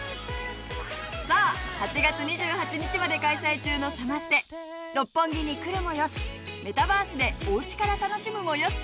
さあ８月２８日まで開催中のサマステ六本木に来るもよしメタバースでおうちから楽しむもよし。